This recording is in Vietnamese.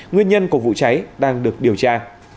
nguyên nhân của vụ cháy đang được điều tra